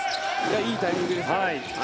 いいタイミングです。